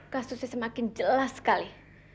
kasusnya semakin jelas sekali